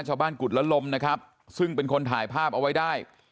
กุฎละลมนะครับซึ่งเป็นคนถ่ายภาพเอาไว้ได้